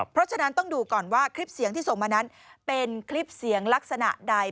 เพราะฉะนั้นต้องดูก่อนว่าคลิปเสียงที่ส่งมานั้นเป็นคลิปเสียงลักษณะใด